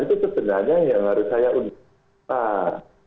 itu sebenarnya yang harus saya undang